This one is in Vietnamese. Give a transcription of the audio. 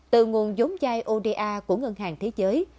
từ nguồn giống chai oda của ngân hàng thế giới